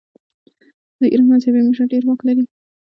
د ایران مذهبي مشر ډیر واک لري.